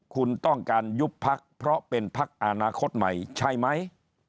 คุณต้องการยุบพักเพราะเป็นพักอนาคตใหม่ใช่ไหม